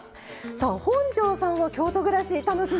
さあ本上さんは京都暮らし楽しんでますよね。